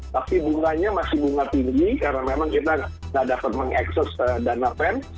tapi bunganya masih bunga tinggi karena memang kita tidak dapat mengakses dana pen